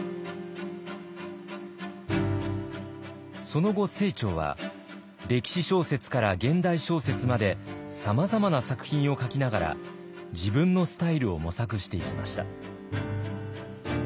その後清張は歴史小説から現代小説までさまざまな作品を書きながら自分のスタイルを模索していきました。